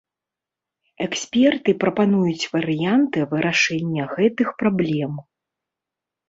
Эксперты прапануюць варыянты вырашэння гэтых праблем.